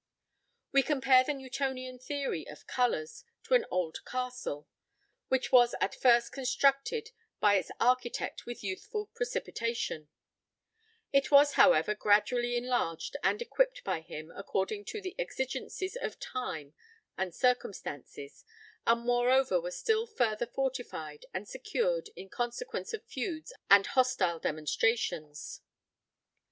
We compare the Newtonian theory of colours to an old castle, which was at first constructed by its architect with youthful precipitation; it was, however, gradually enlarged and equipped by him according to the exigencies of time and circumstances, and moreover was still further fortified and secured in consequence of feuds and hostile demonstrations.